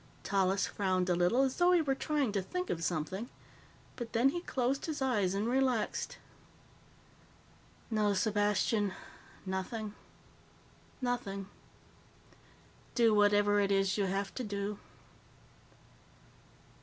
Tallis frowned a little, as though he were trying to think of something, but then he closed his eyes and relaxed. "No, Sepastian. Nothing. Do whatever it is you have to do."